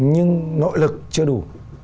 nhưng nội lực chưa đủ